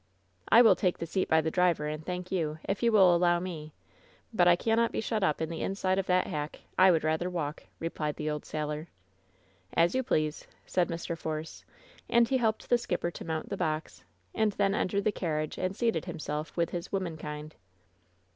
"I will take the seat by the driver, and thank you, if you will allow me; but I cannot be shut up in the inside of that hack; I would rather walk,'' replied the old sailor, "As you please,'' said Mr. Force; and he helped the skipper to mount the box, and then entered the carriage and seated himself with his "womenkind."